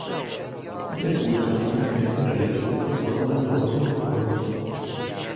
Apibūdino sanskrito ir lietuvių kalbos bendruosius bruožus.